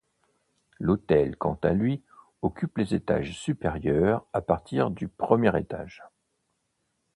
L'hôtel quant à lui occupe les étages supérieurs à partir du premier étage.